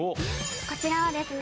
こちらはですね